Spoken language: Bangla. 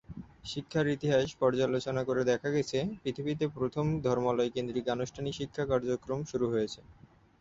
শিক্ষার ইতিহাস পর্যালোচনা করে দেখা গেছে, পৃথিবীতে প্রথম ধর্মালয় কেন্দ্রিক আনুষ্ঠানিক শিক্ষা কার্যক্রম শুরু হয়েছে।